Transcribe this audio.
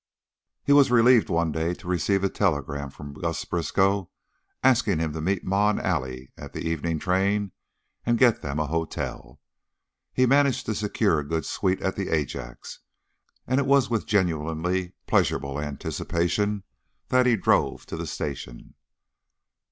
He was relieved one day to receive a telegram from Gus Briskow asking him to meet Ma and Allie at the evening train and "get them a hotel." He managed to secure a good suite at the Ajax, and it was with genuinely pleasurable anticipation that he drove to the station.